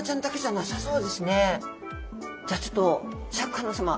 じゃちょっとシャーク香音さま